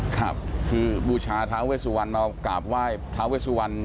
ค่ะคือบุชาท้าเวสุวรรณเอากลับไหว่ท้าเวสุวรรณ